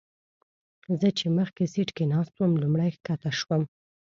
زه چې مخکې سیټ کې ناست وم لومړی ښکته شوم.